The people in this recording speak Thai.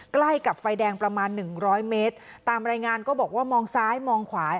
ใกล้กับไฟแดงประมาณหนึ่งร้อยเมตรตามรายงานก็บอกว่ามองซ้ายมองขวา